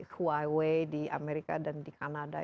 kuaywe di amerika dan di kanada